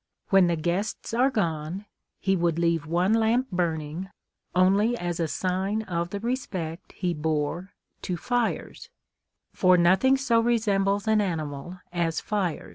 When the guests are gone, he " would leave one lamp burning, only as a sign of the respect he bore to fires, for nothing so resembles an animal as fire.